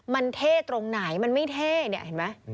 มันเท่ตรงไหนมันไม่เท่เนี่ยเห็นไหม